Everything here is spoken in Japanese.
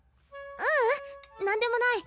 ううん何でもない。